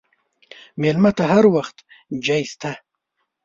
مېلمه ته هر وخت ځای شته.